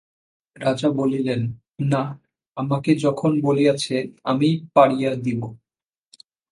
রাজা বলিলেন, না, আমাকে যখন বলিয়াছে আমিই পাড়িয়া দিব।